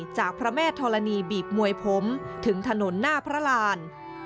จากพระแม่ธรณีบีบมวยผมถึงถนนหน้าพระราน